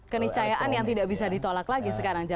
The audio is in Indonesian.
ketik cahayaan yang tidak bisa ditolak lagi sekarang